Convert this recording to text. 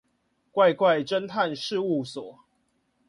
怪怪偵探事務所